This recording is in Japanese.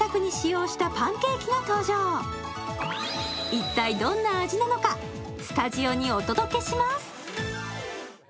一体どんな味なのか、スタジオにお届けします。